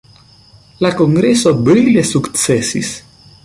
La Kongreso brile sukcesis.